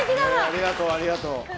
ありがとう、ありがとう。